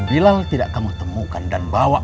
bilal tidak kamu temukan dan bawa